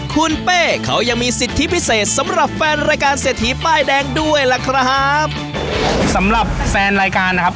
คุณเป้เขายังมีสิทธิพิเศษสำหรับแฟนรายการเศรษฐีป้ายแดงด้วยล่ะครับสำหรับแฟนรายการนะครับ